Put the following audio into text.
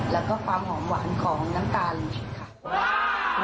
แล้วก็ความหอมหวานของน้ำตาลค่ะ